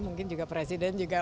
mungkin juga presiden juga